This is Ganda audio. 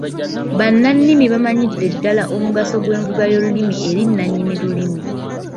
Bannannimi bamanyidde ddala omugaso gw’envuga y’olulimi eri nnannyini lulimi.